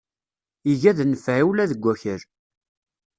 Iga d nnfeɛ ula deg akal.